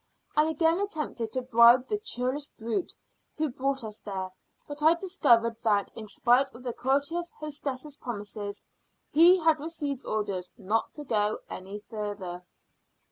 I again attempted to bribe the churlish brute who brought us there, but I discovered that, in spite of the courteous hostess's promises, he had received orders not to go any father.